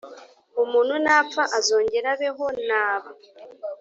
Umuntu napfa azongera abeho naba